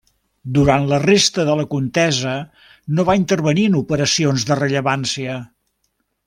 Durant la resta de la contesa no va intervenir en operacions de rellevància.